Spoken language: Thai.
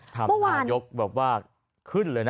นายกแบบว่าขึ้นเลยนะ